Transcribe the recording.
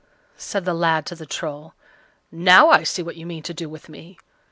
said the lad to the Troll, "now I see what you mean to do with me.